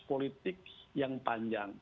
politik yang panjang